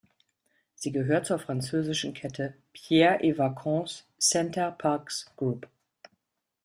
Sie gehört zur französischen Kette Pierre et Vacances Center Parcs Group.